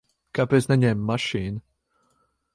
Kāpēc neņēma mašīnu?